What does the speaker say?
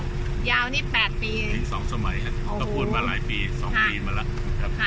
ยาวนี้แปดปีสองสมัยโอ้วก็พูดมาหลายปีสองปีมาแล้วครับอ่า